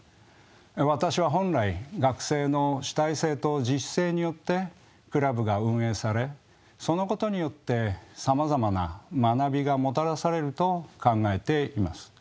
私は本来学生の主体性と自主性によってクラブが運営されそのことによってさまざまな学びがもたらされると考えています。